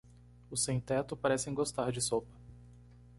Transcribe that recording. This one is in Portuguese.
Os sem-teto parecem gostar de sopa.